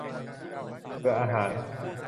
เบื่ออาหาร